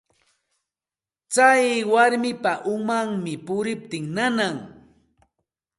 Tsay warmapa umanmi puriptin nanan.